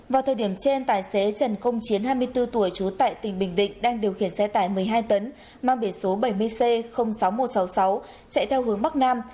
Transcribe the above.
vào thời điểm trên tài xế trần công chiến hai mươi bốn tuổi trú tại tỉnh bình định đang điều khiển xe tải một mươi hai tấn mang biển số bảy mươi c sáu nghìn một trăm sáu mươi sáu chạy theo hướng bắc nam